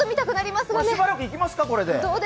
しばらくいきますか、これで。